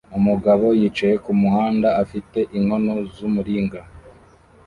Umugabo yicaye kumuhanda afite inkono z'umuringa